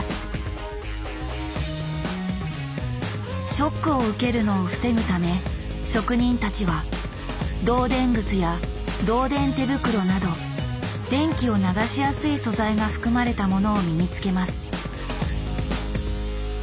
ショックを受けるのを防ぐため職人たちは導電靴や導電手袋など電気を流しやすい素材が含まれたものを身につけます。